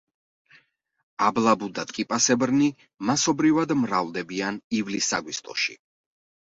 აბლაბუდატკიპასებრნი მასობრივად მრავლდებიან ივლის-აგვისტოში.